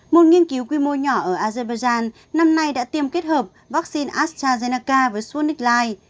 một nghiên cứu quy mô nhỏ ở azerbaijan năm nay đã tiêm kết hợp vaccine astrazeneca với sputnik light